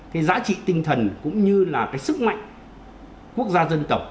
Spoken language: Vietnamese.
cái giá trị tinh thần cũng như là cái sức mạnh quốc gia dân tộc